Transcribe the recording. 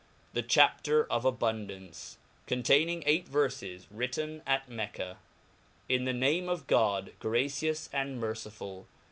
CIL The Chapter of cy^hmd^^ce, containing eight Verfes , "bitten at Mecca. IN the Name of God, gracious and merciflill.